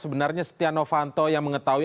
sebenarnya stiano fanto yang mengetahui